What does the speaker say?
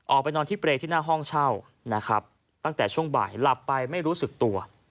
ออกไปนอนที่เปรย์ที่หน้าห้องเช่านะครับตั้งแต่ช่วงบ่ายหลับไปไม่รู้สึกตัว